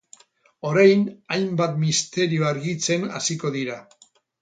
Orain, hainbat misterio argitzen hasiko dira.